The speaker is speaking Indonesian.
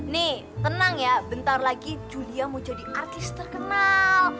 nih tenang ya bentar lagi julia mau jadi artis terkenal